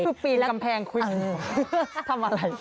คือปีนกำแพงคุณทำอะไร